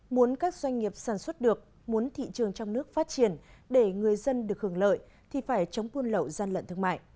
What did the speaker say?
muốn các doanh nghiệp sản xuất được muốn thị trường trong nước phát triển để người dân được hưởng lợi thì phải chống buôn lậu gian lận thương mại